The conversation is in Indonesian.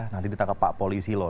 nanti ditangkap pak polisi loh